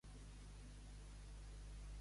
En quines modalitats ha quedat primera d'Espanya?